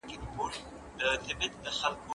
زه هره ورځ د سبا لپاره د ژبي تمرين کوم!!